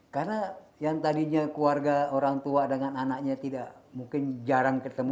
karena yang tadinya keluarga orang tua dengan anaknya tidak mungkin jarang ketemu